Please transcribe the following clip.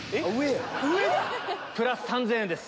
プラス３０００円です。